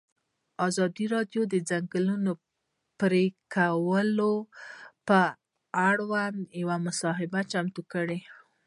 ازادي راډیو د د ځنګلونو پرېکول پر وړاندې یوه مباحثه چمتو کړې.